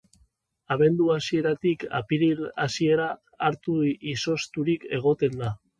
Abendu hasieratik apiril hasiera arte izozturik egoten da.